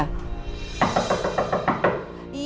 randy bukan ya